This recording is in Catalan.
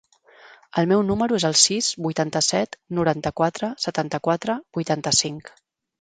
El meu número es el sis, vuitanta-set, noranta-quatre, setanta-quatre, vuitanta-cinc.